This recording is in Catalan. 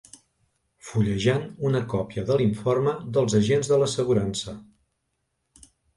Fullejant una còpia de l'informe dels agents de l'assegurança.